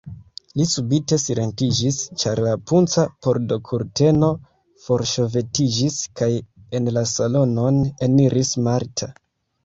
Li subite silentiĝis, ĉar la punca pordokurteno forŝovetiĝis kaj en la salonon eniris Marta.